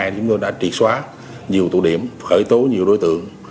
chúng tôi đã triệt xóa nhiều tụ điểm khởi tố nhiều đối tượng